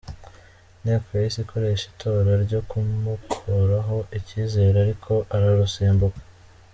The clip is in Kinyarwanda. Inteko yahise ikoresha itora ryo kumukuraho icyizere ariko ararusimbuka.